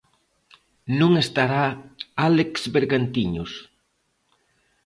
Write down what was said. Non estará Álex Bergantiños.